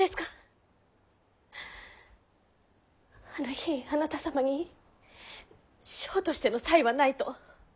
あの日あなた様に将としての才はないと。